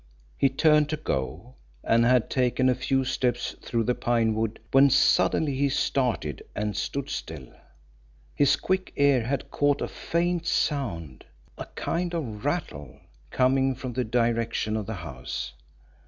He turned to go, and had taken a few steps through the pinewood when suddenly he started and stood still. His quick ear had caught a faint sound a kind of rattle coming from the direction of the house.